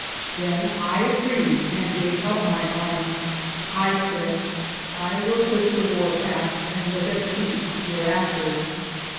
Then I agreed and gave up my arms. I said: " I will quit the warpath and live at peace hereafter."